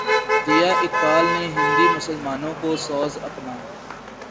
دیا اقبالؔ نے ہندی مسلمانوں کو سوز اپنا